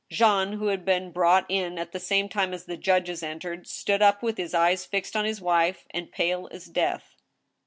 Jean, who had been brought in at the same time as the judges entered, stood up, with his eyes fixed on his wife, and pale as death.